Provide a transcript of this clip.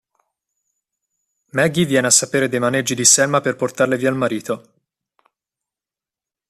Maggie viene a sapere dei maneggi di Selma per portarle via il marito.